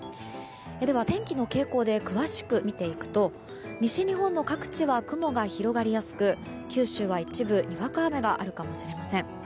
では、天気の傾向で詳しく見ていくと西日本の各地は雲が広がりやすく九州は、一部にわか雨があるかもしれません。